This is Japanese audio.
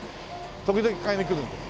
時々買いに来るんだよ